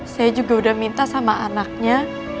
saya juga udah minta sama anaknya